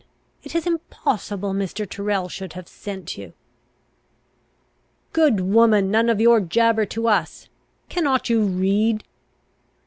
It is impossible Mr. Tyrrel should have sent you." "Good woman, none of your jabber to us! Cannot you read?"